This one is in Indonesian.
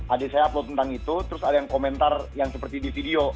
adik saya upload tentang itu terus ada yang komentar yang seperti di video